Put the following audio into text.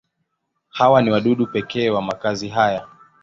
Hawa ni wadudu pekee wa makazi haya.